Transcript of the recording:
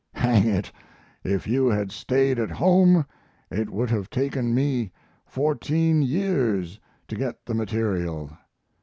Hang it, if you had stayed at home it would have taken me fourteen years to get the material.